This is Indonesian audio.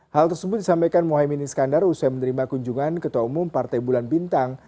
hal tersebut disampaikan muhaymin iskandar usai menerima kunjungan ketua umum partai bulan bintang